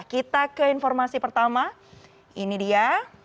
kita ke informasi pertama ini dia